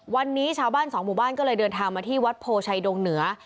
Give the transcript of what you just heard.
วันนี้ชาวบ้านสองหมู่บ้านก็เลยเดินทางมาที่วัดโพชัยดงเหนือ